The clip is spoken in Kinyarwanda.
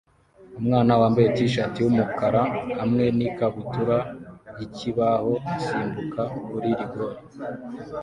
Umwana wambaye t-shati yumukara hamwe nikabutura yikibaho asimbuka kuri rigore